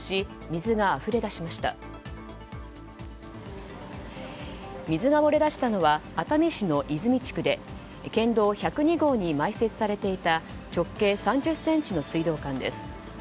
水が漏れ出したのは熱海市の泉地区で県道１０２号に埋設されていた直径３０ｃｍの水道管です。